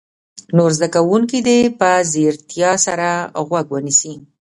نور زده کوونکي دې په ځیرتیا سره غوږ ونیسي.